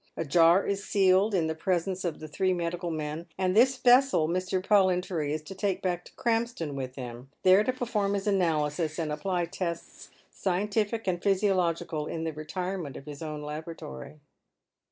A jar is sealed in the presence of the three medical men, and this vessel Mr. Pollintory is to take back to Krampston with him, there to perform his analysis, and apply tests scientific and physiological, in the retirement of his own laboratory.